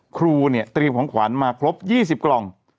ครูเนี่ยเตรียมของขวัญมาครบ๒๐กล่อง